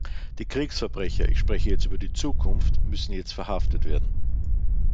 Die Kriegsverbrecher, ich spreche jetzt über die Zukunft, müssen jetzt verhaftet werden.